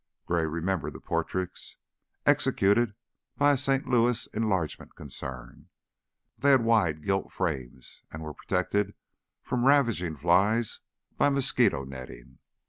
Gray remembered the portraits, executed by a St. Louis "enlargement" concern. They had wide gilt frames, and were protected from ravaging flies by mosquito netting.